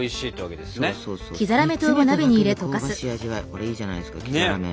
これいいじゃないですか黄ざらめ。